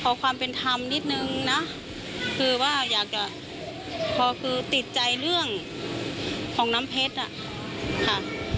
ขอความเป็นธรรมนิดนึงนะคือว่าอยากจะพอคือติดใจเรื่องของน้ำเพชรอ่ะค่ะ